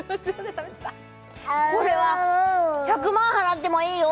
食べてたこれは１００万払ってもいいよ！